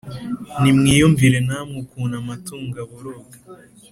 Nimwiyumvire namwe ukuntu amatungo aboroga!